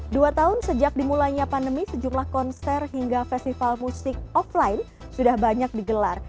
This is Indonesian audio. dua tahun sejak dimulainya pandemi sejumlah konser hingga festival musik offline sudah banyak digelar